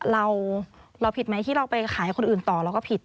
เราผิดไหมที่เราไปขายให้คนอื่นต่อเราก็ผิด